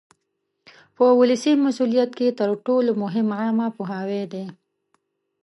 په ولسي مسؤلیت کې تر ټولو مهم عامه پوهاوی دی.